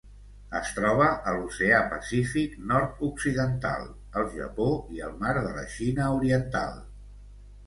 Es troba a l'Oceà Pacífic nord-occidental: el Japó i el Mar de la Xina Oriental.